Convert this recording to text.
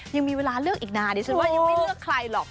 ยังมีเวลาเลือกอีกนานดิฉันว่ายังไม่เลือกใครหรอก